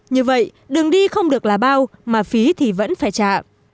như vậy đường đi không được là bao mà phí thì vẫn phải trả